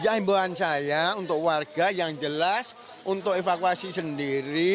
ya himbauan saya untuk warga yang jelas untuk evakuasi sendiri